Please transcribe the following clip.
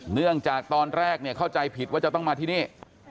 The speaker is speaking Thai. เนื่องจากตอนแรกเข้าใจผิดว่าจะต้องมาที่นี่